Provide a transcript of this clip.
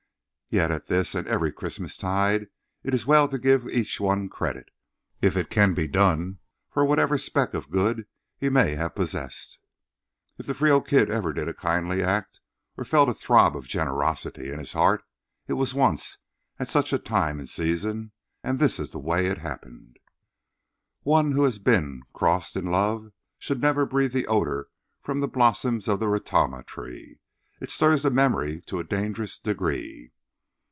Yet at this and every Christmastide it is well to give each one credit, if it can be done, for whatever speck of good he may have possessed. If the Frio Kid ever did a kindly act or felt a throb of generosity in his heart it was once at such a time and season, and this is the way it happened. One who has been crossed in love should never breathe the odour from the blossoms of the ratama tree. It stirs the memory to a dangerous degree.